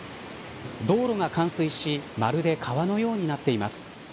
道路が冠水しまるで川のようになっています。